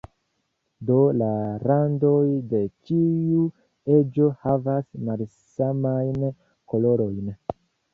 Do la randoj de ĉiu eĝo havas malsamajn kolorojn.